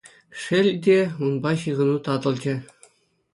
Шел те, унпа ҫыхӑну татӑлчӗ.